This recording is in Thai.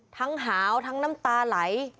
หาวทั้งน้ำตาไหล